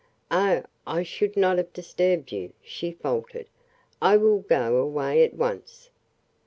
"Oh, I should not have disturbed you," she faltered. "I will go away at once.